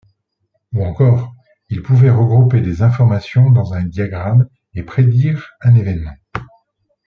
Ou encore, il pouvait regrouper des informations dans un diagramme et prédire un évènement.